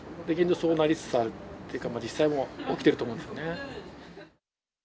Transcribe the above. そうなりつつある、実際もう起きてると思うんですよね。